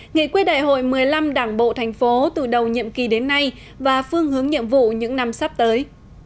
nghị quyết đại hội một mươi năm đảng bộ thành phố từ đầu nhiệm kỳ đến nay và phương hướng nhiệm vụ những năm sắp tới